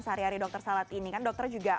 sehari hari dokter salad ini kan dokter juga